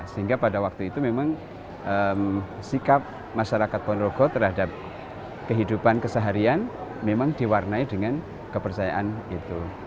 sehingga pada waktu itu memang sikap masyarakat ponorogo terhadap kehidupan keseharian memang diwarnai dengan kepercayaan itu